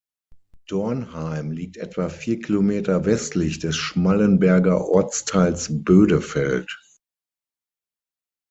Dornheim liegt etwa vier Kilometer westlich des Schmallenberger Ortsteils Bödefeld.